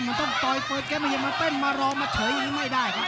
มันต้องต่อยเปิดเกมไม่ใช่มาเต้นมารอมาเฉยอย่างนี้ไม่ได้ครับ